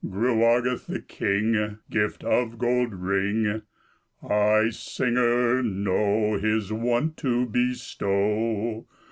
Gruageth the king Gift of gold ring? I, singer, know His wont to bestow.